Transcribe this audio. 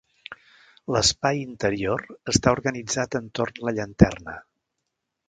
L'espai interior està organitzat entorn la llanterna.